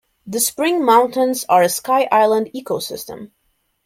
The Spring Mountains are a sky island ecosystem.